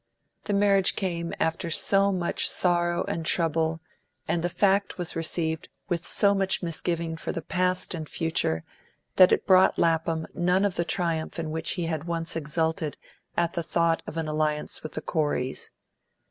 The marriage came after so much sorrow and trouble, and the fact was received with so much misgiving for the past and future, that it brought Lapham none of the triumph in which he had once exulted at the thought of an alliance with the Coreys.